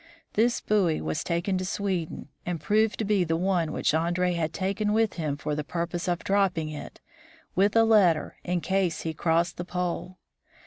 This buoy was taken to Sweden, and proved to be the one which Andree had taken with him for the purpose of dropping it, with a letter, in case he crossed the pole.